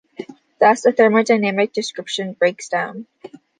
Thus, a thermodynamic description breaks down.